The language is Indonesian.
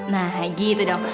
nah gitu dong